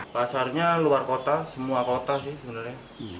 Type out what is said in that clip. pasarnya luar kota semua kota sih sebenarnya